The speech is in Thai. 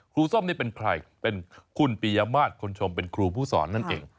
ส้มนี่เป็นใครเป็นคุณปียมาตรคนชมเป็นครูผู้สอนนั่นเอง